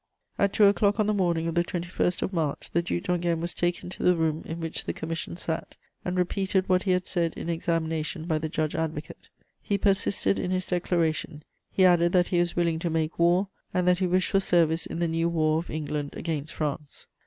'" At two o'clock on the morning of the 21st of March, the Duc d'Enghien was taken to the room in which the commission sat, and repeated what he had said in examination by the judge advocate. He persisted in his declaration: he added that he was willing to make war, and that he wished for service in the new war of England against France.